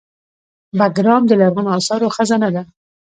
بګرام د لرغونو اثارو خزانه وه